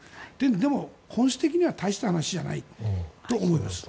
でも、本質的には大した話じゃないと思います。